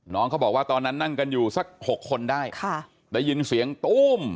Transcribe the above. น้องเขาบอกว่าตอนนั้นนั่งกันอยู่สักหกคนได้ค่ะได้ยินเสียงตู้ม